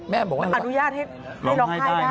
แม่บอกว่าอนุญาตให้ร้องไห้ได้